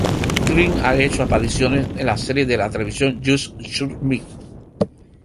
Greer ha hecho apariciones en las series de televisión "Just Shoot Me!